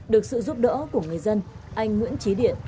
được sự giúp đỡ của người dân anh nguyễn trí điện